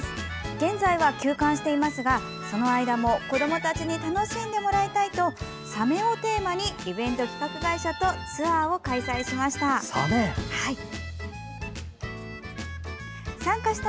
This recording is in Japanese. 現在は休館していますがその間も、子どもたちに楽しんでもらいたいとサメをテーマにイベント企画会社とツアーを開催しました。